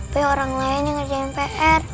tapi orang lain yang ngerjain pr